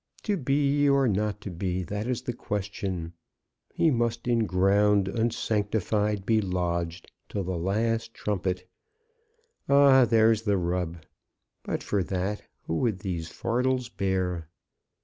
'To be or not to be; that is the question.' He must in ground unsanctified be lodged, till the last trumpet! Ah, there's the rub! But for that, who would these fardels bear?"